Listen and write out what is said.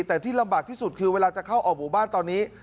แต่ที่ลำบากที่สุดคือเวลาจะเข้าออกหมู่บ้านตอนนี้